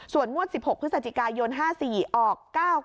ส่วนงวด๑๖พฤศจิกายน๕๔ออก๙๙